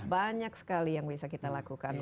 banyak sekali yang bisa kita lakukan